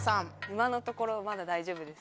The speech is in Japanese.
今のところ大丈夫です。